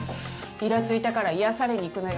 いらついたから癒やされにいくのよ。